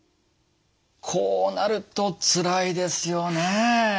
こうなるとつらいですよね。